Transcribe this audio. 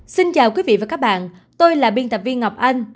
xin chào quý vị và các bạn tôi là biên tập viên ngọc anh